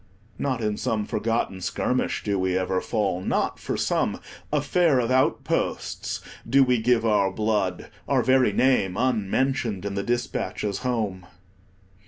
Not in some forgotten skirmish do we ever fall; not for some "affair of outposts" do we give our blood, our very name unmentioned in the dispatches home.